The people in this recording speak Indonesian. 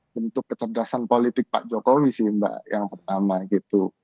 bentuk kecerdasan politik pak jokowi sih mbak yang pertama gitu